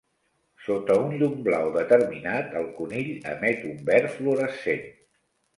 Sota un llum blau determinat, el conill emet un verd fluorescent.